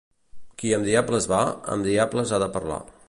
Qui amb diables va, amb diables ha de parlar.